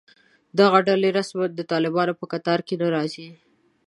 دغه ډلې رسماً د طالبانو په کتار کې نه راځي